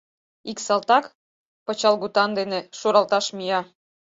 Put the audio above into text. Ик салтак пычалгутан дене шуралташ мия.